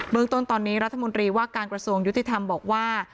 เมืองต้นตอนนี้รัฐมนตรีว่าการกระทรวงยุติธรรมบอกว่า